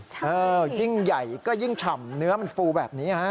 ใช่ยิ่งใหญ่ก็ยิ่งฉ่ำเนื้อมันฟูแบบนี้ฮะ